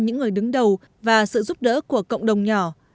những người đứng đầu và sự giúp đỡ của cộng đồng nhân dân